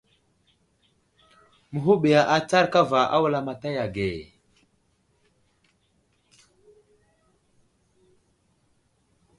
Məhuɓiya atsar kava a wulamataya ge.